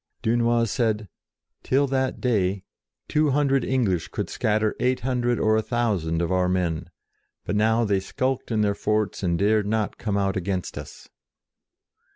Dunois said, "till that day, two hundred 38 JOAN OF ARC English could scatter eight hundred or a thousand of our men, but now they skulked in their forts and dared not come out against us."